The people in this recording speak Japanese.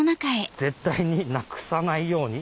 絶対になくさないように。